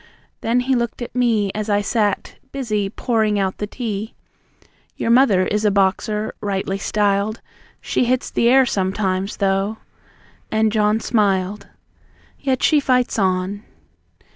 Then, he looked at me As I sat, busy, pouring out the tea: "Your mother is a boxer, rightly styled. She hits the air sometimes, though," and John smiled. "Yet she fights on."